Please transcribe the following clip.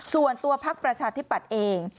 ส่วนตัวพักประชาธิปัตรเอง